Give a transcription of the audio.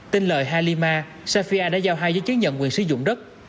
tin lời halima safia đã giao hai giấy chứng nhận quyền sử dụng đất